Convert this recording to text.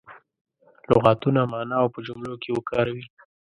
لغتونه معنا او په جملو کې وکاروي.